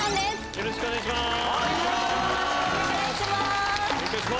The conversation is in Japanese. よろしくお願いします！